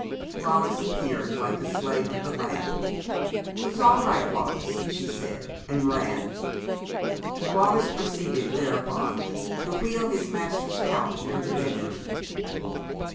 Wallis appeared like the Slave of the Lamp. "It's all right, Wallis," she said, and ran. Wallis proceeded thereupon to wheel his master's couch into the bedroom.